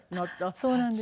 そうなんです。